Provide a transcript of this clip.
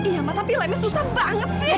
ya ampah tapi lemes susah banget sih